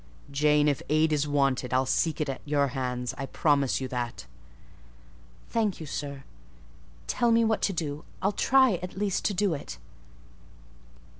"Jane, if aid is wanted, I'll seek it at your hands; I promise you that." "Thank you, sir. Tell me what to do,—I'll try, at least, to do it."